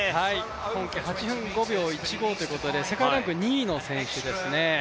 今季８分５秒１５ということで、世界ランク２位の選手ですね。